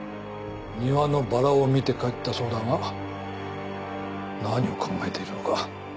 庭のバラを見て帰ったそうだが何を考えているのか。